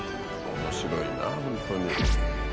面白いなあ本当に。